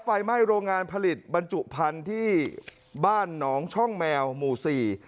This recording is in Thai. ไฟไหม้โรงงานผลิตบรรจุพันธุ์ที่บ้านหนองช่องแมวหมู่สี่